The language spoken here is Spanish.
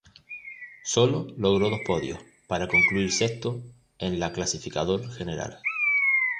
Soló logró dos podios para concluir sexto en la clasificador general.